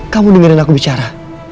kamu dengerin aku bicara